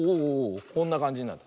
こんなかんじになる。